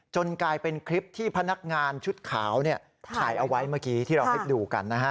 กลายเป็นคลิปที่พนักงานชุดขาวถ่ายเอาไว้เมื่อกี้ที่เราให้ดูกันนะฮะ